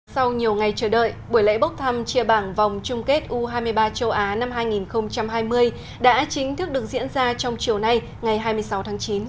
sau nhiều ngày chờ đợi buổi lễ bốc thăm chia bảng vòng chung kết u hai mươi ba châu á năm hai nghìn hai mươi đã chính thức được diễn ra trong chiều nay ngày hai mươi sáu tháng chín